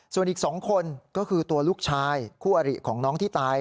ส่วนอีก๒คนก็คือตัวลูกชายคู่อริของน้องที่ตาย